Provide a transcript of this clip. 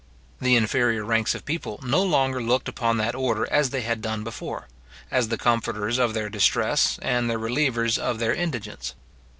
The inferior ranks of people no longer looked upon that order as they had done before; as the comforters of their distress, and the relievers of their indigence.